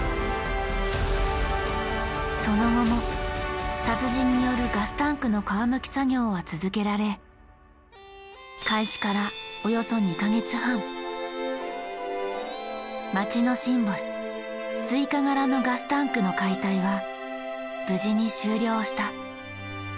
その後も達人によるガスタンクの皮むき作業は続けられ街のシンボルスイカ柄の「ガスタンク」の解体は無事に終了した。